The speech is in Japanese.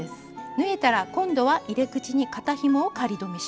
縫えたら今度は入れ口に肩ひもを仮留めします。